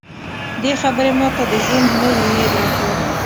دې خبرې ماته د ژوند لږ امید راکړ